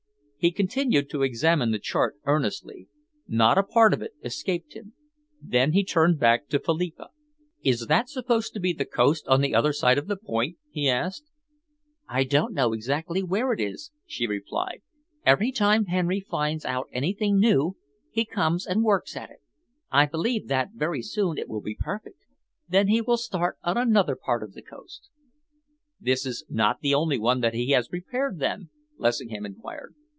He continued to examine the chart earnestly. Not a part of it escaped him. Then he turned back to Philippa. "Is that supposed to be the coast on the other side of the point?" he asked. "I don't exactly know where it is," she replied. "Every time Henry finds out anything new, he comes and works at it. I believe that very soon it will be perfect. Then he will start on another part of the coast." "This is not the only one that he has prepared, then?" Lessingham enquired.